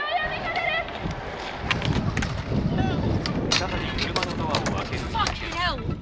再び車のドアを開ける実験。